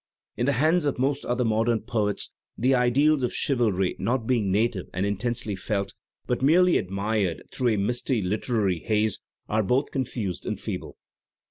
In the hands of most other modem poets the ideals of chivalry, not being native and intensely felt, but merely admired through a misty Eteraiy haze, are both confused and feeble.